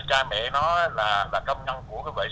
trẻ em này là